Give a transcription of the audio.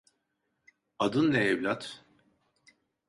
Adın ne evlat?